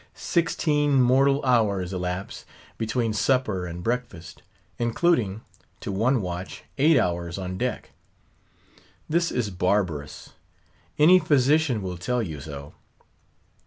Sixteen mortal hours elapse between supper and breakfast; including, to one watch, eight hours on deck! This is barbarous; any physician will tell you so.